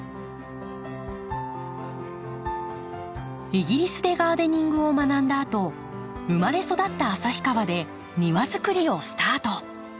イギリスでガーデニングを学んだあと生まれ育った旭川で庭づくりをスタート。